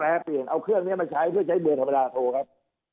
เอาเครื่องนี้มาใช้เพื่อใช้เบอร์ธรรมดาโธครับ